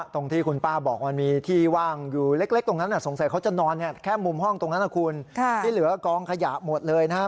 ตรงที่คุณป้าบอกมันมีที่ว่างอยู่เล็กตรงนั้นสงสัยเขาจะนอนแค่มุมห้องตรงนั้นนะคุณที่เหลือกองขยะหมดเลยนะฮะ